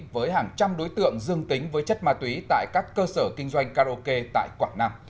với hàng trăm đối tượng dương tính với chất ma túy tại các cơ sở kinh doanh karaoke tại quảng nam